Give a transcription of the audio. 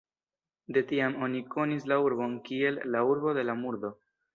De tiam oni konis la urbon kiel "la urbo de la murdo".